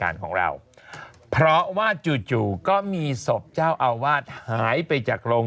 สนุนโดยอีซูซูดีแมคบลูพาวเวอร์นวัตกรรมเปลี่ยนโลก